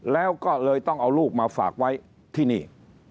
แล้วก็เลยต้องเอาลูกมาฝากไว้ที่นี่